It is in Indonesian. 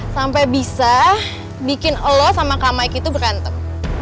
sampai bisa bikin lo sama kak mike itu berantem